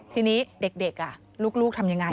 ทีนี้เด็กลูกทำยังไง